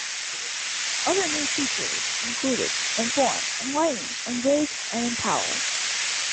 Other new features included, Inform, Enlighten, Engage, and Empower.